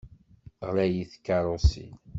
Ɣlayit tkeṛṛusin.